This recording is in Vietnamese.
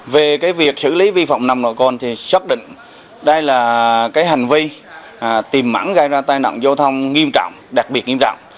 về việc xử lý vi phạm nồng độ cồn thì xác định đây là hành vi tìm mẵn gây ra tai nặng giao thông nghiêm trọng đặc biệt nghiêm trọng